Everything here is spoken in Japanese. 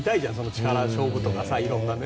力勝負とか、いろいろなね。